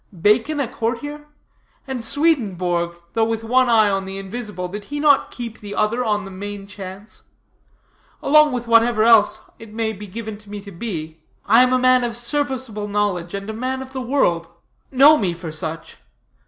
Bacon a courtier? and Swedenborg, though with one eye on the invisible, did he not keep the other on the main chance? Along with whatever else it may be given me to be, I am a man of serviceable knowledge, and a man of the world. Know me for such.